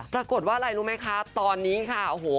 ปรากฏว่าอะไรรู้ไหมคะตอนนี้ค่ะโอ้โห